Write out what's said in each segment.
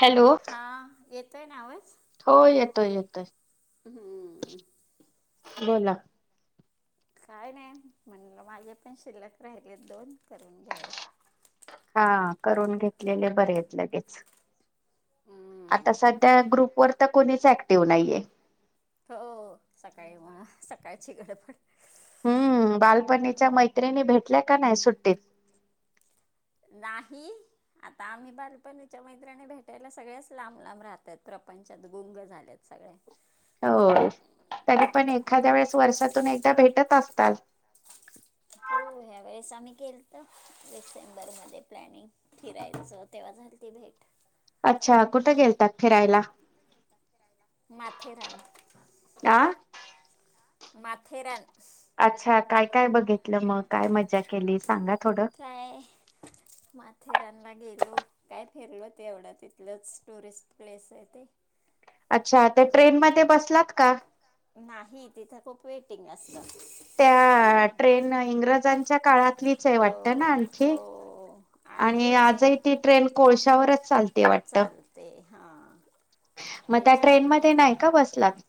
Hello हां ये काय नाव आहेस हो येतोय येतोय. हम्म. बोला काय नाही म्हणलं माझे पण शिल्लक राहिले दोन करून घ्यावेत. हां करून घेतलेले बरे आहेत लगेच. आता हम्म. सध्या ग्रुप वर तर कोणीच ऍक् ऍक्टिव्ह नाहीये. हो सकाळी म सकाळची गडबड हम्म बालपणीच्या मैत्रिणी भेटल्या का नाही सुट्ट ट्टीत नाही आता आम्ही बालपणीच्या मैत्रिणी भेटायला सगळ्याच लांब लांब राहत आहेत प्रपंचात गुंग झाल्यात सगळया हो तरी पण एखाद्या वेळेस वर्षातून एक त्या भेटत असतात हो ह्या वेळेस आम्ही केलतं डिसेंबरमध्ये प्लॅनिंग फिरायचं तेव्हा झाल ती भेट अच्छा! कुठं गेलतात फिरायला माथेरान आ माथेरान अच्छा! काय, काय बघितलं मग काय मजा केली सांगा थोडं काय, माथे फिरायला गेलो काय फिरलो तेवढं तिथलंच टुरिस्ट प्लेसय ते अच्छा तर ट्रेन मध्ये बसलात का नाही तिथं खूप वेटिंग अस त्य ट्रेन इंग्रजांन त्या काळात तीथलीचय ना हो वाटतं हो आणखी आणि आहे आजही ती ट्रेन कोळशा शावरच चालते वाटतं चालते हा मग ते त्या छान ट्रेनमध्ये आहे नाही का बसलात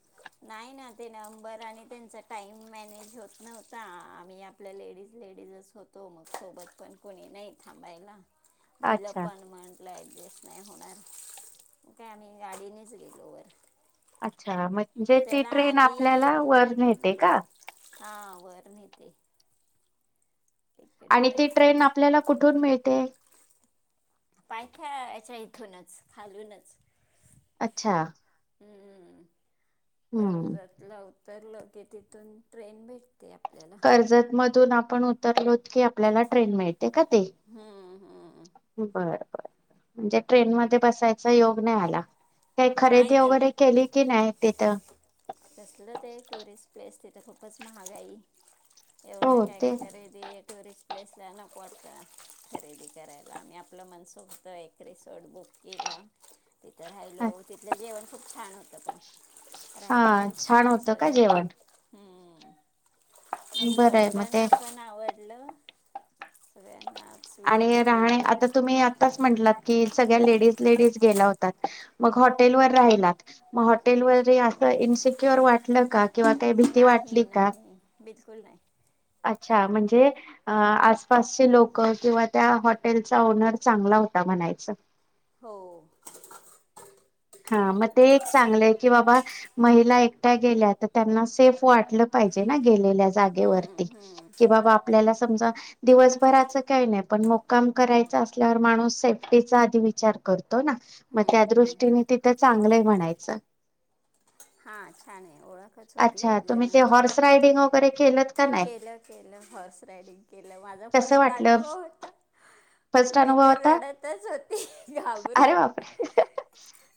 नाह, ना ते नंबर आणि त्यांचा टाईम मॅनेज होत नव्हता आम्ही आपल्या लेडीज, लेडीजच होतो मग सोबत पण कोणी नाही थांबायला मुलं अच्छा पण म्हटलंय नाही होणार काय, आम्ही गाडीनेच गेलो वर अच्छा म म्हणजे ती त्याला ट्रेन आपल्याला वर नेते आधी का हा वर नेते आणि ती टेकडीवर ट्रेन आपल्याला कुठून मिळते? पायथ्याच्या इथूनच खालूनच अच्छा हम्म्मम हम्म कर्जतला उ तरलो कि तिथून ट्रेन भेटते आप कर्जत म धून आपण उतरलोत की आपल्याला ट्रेन मिळ ते का ती हम्म हम्म बरं बरं म्हणजे ट्रेन मध्ये बसायचा योग नाय आला काय नाही खरेदी ना वगैरे केली की नाय तिथं? कसलं ते टुरिस्ट प्लेस तिथं खुपच महाागई एवढा हो काय ते खरेदी टुरिस्ट प्लेसला नको वाटतं खरेदी करायला. आम्ही आपलं मनसोक्त एक रिसॉर्ट बुक केला तिथं राहिलो तिथलं जेवण खूप छान होतं पण हा राहायची पण छान होतं सोय का होती. जेवण हम्म मस्त बरं आहे मग ते मुलांना पण आवडलं. सगळ्या आणि राहणे आता तुम्ही आत्ताच म्हंटलात की सगळ्या लेडीज लेडीज गेला होतात मग हॉटेल वर राहिलात म हॉटेल वर हे आस इन्सिक्युर वाटलं का किंवा काय भीती वाटली नाही का? नाही बिलकुल नाय. अच्छा म्हणजे अ आसपासचे लोक किंवा त्या हॉटेलचा ओनर चांगला होता म्हणायचं. हो. हा मग ते एक चांगलंय की बाबा महिला एकट्या गेल्या तर त्यांना सेफ वाटलं पाहिजे नाय. गेलेल्या हम्म, जागेवरती हम्म. की बाबा आपल्याला समजा दिवसभराचं काय नाय पण मुक्काम करायचा असल्यावर माणूस सेफ्टीचा आधी विचार कर तो ना म त्या हम्म, हम्म. दृष्टीनी ते चांगलंय म्हणायचं. हा छानये ओळखंच होती अच्छा एक तुम्ही ते जणाची. हॉर्स रायडिंग वगैरे केलत का नाही केलं केलं हॉर्स रायडिंग केलं. माझा कसं फस्ट वाटलं अनुभव होता. फर्स्ट मी अनुभव तर होता रडतच होती. घाबरून. अरे बापरे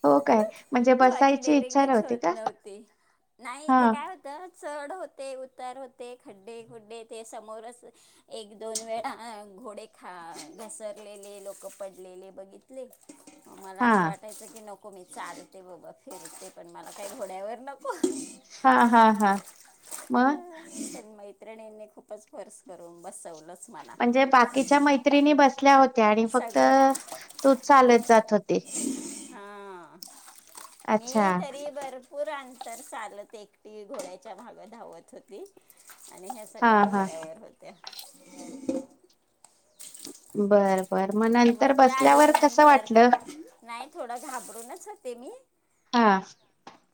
हो काय म्हणजे माझी बसायची इच्छा डेरिंगच नव्हती होत का नव्हती. नाही हा ते काय होतं चढ होते. उ उतार होते खड्डे खुड्डे ते समोरच एक दोन वेळा घोडे खा घसरलेले लोक पडलेले बघितले. मला हा असं वाटायचं की न को मी [unintelligible] ते बाबा फिरते पण मला काही घोड्यावर न हा हा हा मग पण मैत्रिणींनी खूपच फोर्स करून बसवलंच. मला. म्हणजे बाकीच्या मैत्रिणी बसल्या हो त्या आणि फक्त सगळ्या तूच चालत जात होती? हां. अच्छा मी तरी [unintelligible] [unintelligible] चालत एकटी घोड्याच्या मागे धावत होती. आणि ह्या हा सगळ्या हा घोड्यावर होत्या. बर. बर मग नंतर मज्जा आली बसल्यावर कसं नंतर वाटलं? नाही थोडं घाबरून च होते मी. हां.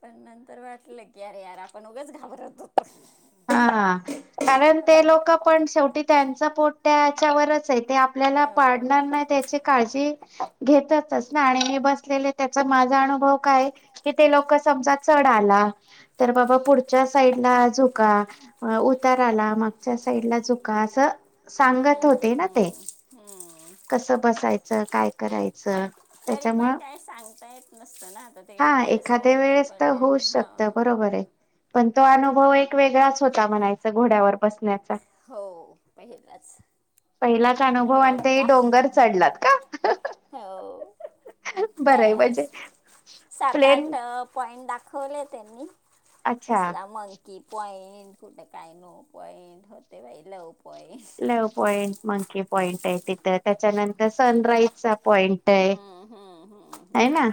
पण नंतर वाटलं की अरे यार आपण उगंच घाबरत हो हां हां कारण ते लोकं पण शेवटी त्यांच पोट त्याच्यावरच आहे. ते आपल्याला पाडणार नाहीत ह्याची काळजी घेतातच ना आणि बसलेले त्याचा माझा अनुभव काय? की ते लोकं समजा चढ आला तर बाबा पुढच्या साईडला झो का उताराला मागच्या साईडला झुका असं सांगत हम्म, हम्म, होते ना हम्म, ते, हम्म, हम्म. कसं बसायचं काय करायचं. तरी पण त्याच्यामुळं काही सांगता येत नसतं ना, आता हा ते माझ्यासमोर एखाद्या ते वेळेस तर पडलेले होऊच शकतं हां. बरोबर आहे. पण तो अनुभव एक वेगळाच होता म्हणायचं घोड्यावर बसण्या हो पहिलाच पहिलाच अनुभव आणि ते ही रडका डोंगर चढलात का? हो बरं आहे, काय म्हणजे प्लेन आणि दाखवलंय त्यांनी अच्छा कसला मग? की पॉईंट कुठं काय नो पॉईंट हो ते बाई लव पॉइंट लव पॉईंट मग की पॉईंट हाय तिथं त्याच्यानंतर सनराईज चा पॉइंट हाय. हाय ना.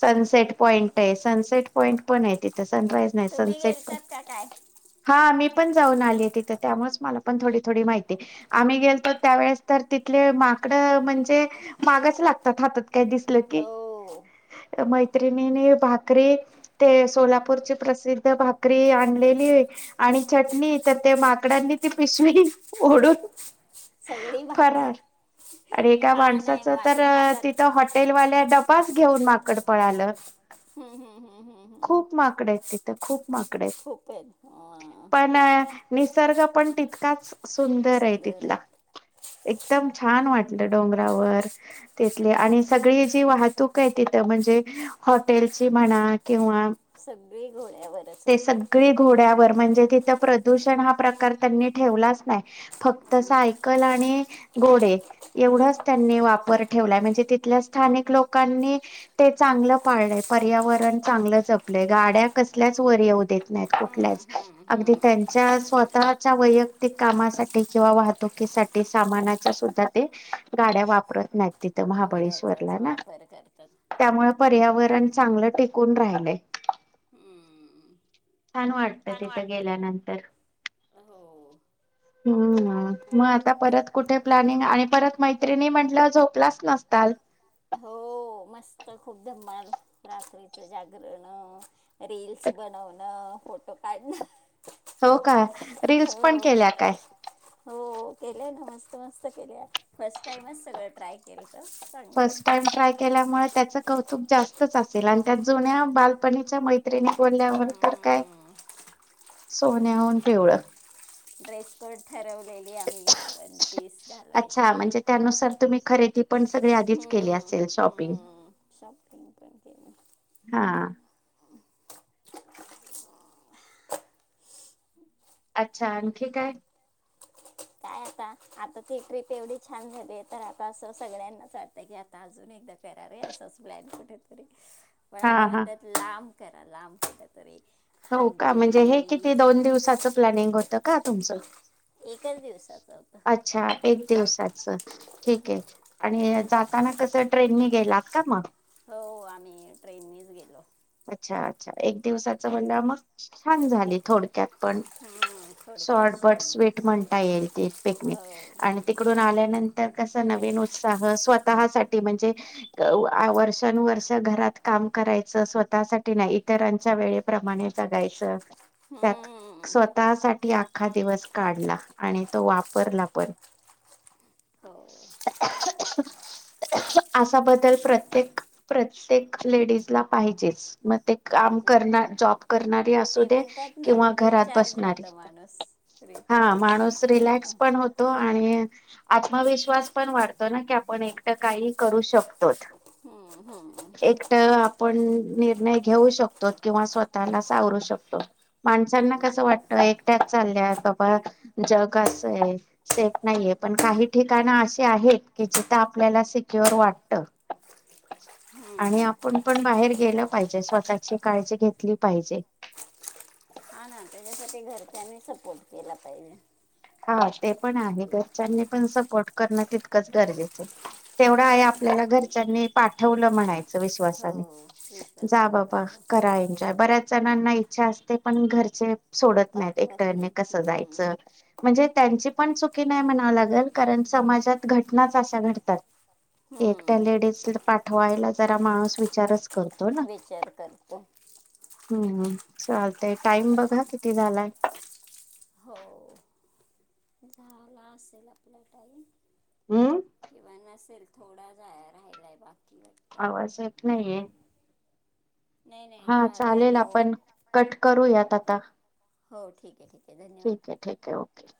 सनसेट पॉइंटय सं सेट पॉंइंट पण हाय तिथंच. सनराईज नाही, तुम्ही सनसेट पॉ गेलतात का काय हा मी पणं जाऊन आलीय तिथं, त्यामुळेच मला पण थोडी थोडी माहिती हाय. आम्ही गेलो त्यावेळेस तर तिथले माकडं म्हणजे मागच ला [inaudible] काय दिसलं की, हो म त्रिणीने भाकरी, ते सोलापूरची प्रसिद्ध भाकरी आणलेली आणि चटणी, तर ते माकडांनी ती पिशवी ओढून सगळी भाकरी, फरार आणि एका हा नाही, म माणसाचं ते तर हातात तिथं हॉटेलवाल्या डबा घेऊन माकड पळालं. हम्म, हम्म, हम्म, हम्म, हम्म. खूप माकडं हायत तिथं, खूप माकडं हायत, खूप आहेत वा, पण अ निसर्ग पण तिथ काच सुंदर हाय तिथला. एकदम छान वाटलं डोंगरावर, ते आणि सगळी जी वाहतूक आहे तिथं म्हणजे हॉटेलची म्हणा, किंवा सगळी घोड्यावरच ते होते सगळे घोड्यावर म्हणजे तिथं प्रदूषण हा प्रकार त्यांनी ठेवलाच नाही. फक्त हम्म, सायकल आणि घोडे एवढंच त्यांनी वापर ठेवलाय म्ह ते तिथल्या स्थानिक लोकांनी ते चांगलं पाळलंय पर्यावरण चांगलं जपलंय गाड्या कसल्याच वर येऊ देत नाहीत हम्म, कुठल्याच. हम्म, अगदी हम्म. त्यांच्या स्वतःच्या वैयक्तिक कामासाठी किंवा वाहतुकीसाठी सामानाचा सुद्धा ते गाड्या वापरत नाहीत ते घोड्याचाच महाबळेश्वरला ना वापर करतात त्यामुळे पर्यावर तेन चांगलं टिकून राहिलंय. हम्म. छान वाटतं छान तिथं वाटत गेल्यानंतर, हो हमम मग हा आता परत कुठं प्लॅनिंग आहे आणि परत मैत्रिणी म्हणटल्याव झोपला आस नसताल? तर खूप धम्माल रात्रीचं जागरण अअअअ रील्स बनवनं फोटो काढणं ह फो हो का रील्स पण केल्या काय? हो केलंय ना मस्त मस्त केल्या, फर्स्ट टाइमच सगळं ट्राय केलं. तर चांगलं फर्स्ट वाटलं टाइम ट्राय केल्यामुळे त्याचं कौतुक जास तच असेल आणि त्यात जुन्या बालपणीच्या मैत्रिणी बोलल्यावर तर काय, सोन्याहुन पिवळं. ड्रेस कोड ठरव लेले आम्ही वन पीस अच्छा घालायचे. म्हणजे त्यानुसार तुम्ही खरेदी पण सगळी [inaudible] आधीच केली असेल त्यानुसार तुम्ही हम् शॉपिंग. हम् शॉपिंग पण केली हा. अच्छा आणखी काय? काय आता, आता ती ट्रीप एवढी छान झालीय तर आता असं सगळ्यांनाच वाटतय की आता अजून एकदा करा रे असच प्लॅन कुठेत री पण हा आता हा. म्हणतायत लांब करा लाम कुटे तरी हो का म्हणजे हे किती दोन दिवसाचं प्लॅनिंग होतं का तुमचं? एकच दिवसाचं होतं अच्छा एक दिवसाच ठीक आहे आणि जाताना कसं ट्रेनी गेलात का मग? हो आमी ट्रेनीच गेलो अच्छा अच्छा एक दिवसाच म्हणल्याव मग छान झाली थोडक्यात पण हम्म, थोडक्यात शॉर्ट बट स्वीट बस म्हणता येईल ति पिकनिक हो आणि तिकडून आल्यानंतर तस नवीन उत्साह स्वतः साठी म्हणजे अ व आ वर्षानुवर्ष घरात काम करायचं स्व तासाठी ना इतरांच्या वेळेप्रमाणे जगायचं त्यात हम्म, स्वतः साठी आखात दिवस काढला आणि तो वापरला पण! हो असा बद्दल प्रतेक प्रत्येक लेडीज ला पाहिजेच मग ते काम पाहिजे करण जॉब करणारी ते असुदे म्हणतात ना किंवा घरात रिचार्ज बसणारी होतं माणूस रिचार्ज हाआ पूर्ण रिलॅक्स पण होते आणि आत्मविश्वास पण वाढतो ना की आपण एकट काही करू शकतोत. [inaudible] एकट आपण निर्णय घेऊ शकतो किंवा स्वतःला सावरू शकतो माणसांना हम्म, कसं वाटतं, एकट्यात चालल्यात बाबा जग असंय सेफ नाहीये पण काही ठिकाण अशी आहेत की जिथं आपल्याला सिक्युर वाटत. आणि हम्म. आपण पण बाहेर गेलं पाहिजे स्वतःची काळजी घेतली पाहिजे. घरच्यानी सपोर्ट केला पाहिजे. हा ते पण आहे घरच्यांनी पण सपोर्ट करणं तितकंच गरजेचं, तेवढं आहे आपल्याला घरच्यांनी पाठवलं म्हणायचं. हो [unintelligible] जा विश्वासाने बाबा पाठव करा एजॉय बऱ्याच जणांना इच्छा असते पण घरचे सोडत नाहीत पाठवत एकट्याने नाहीत कसं हम्म, जायचं त्यांची पण चुकी नाही म्हणा लागेल कारण समाजात घटनाच अशा घडतात. एकटा हम्म. लेडीज पा ठवायला जरा माणूस विचारच करतो ना विचार करतो. हम्म चालतय टाइम बघा किती झालाय. हो ह असेला आपला टाईम हम्म. किंवा नसेल थोडा जा राहिलाय बा आवाज येत नाहीये. नाही नाही हा झालाय चालेल नऊ आपण कट करूयात. [inaudible] हो ठीक आहे ठीक आहे. धन्यवाद ठीक आहे ठीक आहे ओके.